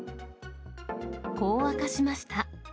こう明かしました。